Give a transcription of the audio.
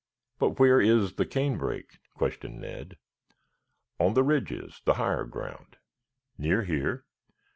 "But where is the canebrake?" questioned Ned. "On the ridges, the higher ground." "Near here?"